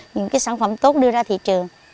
những sản phẩm tốt đưa ra thị trường